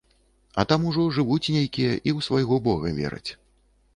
А там ужо жывуць нейкія і ў свайго бога вераць.